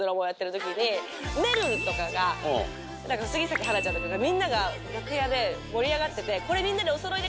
めるるとかが杉咲花ちゃんとかみんなが楽屋で盛り上がっててこれみんなで。